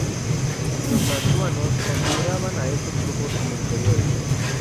Los mantuanos consideraban a estos grupos como inferiores.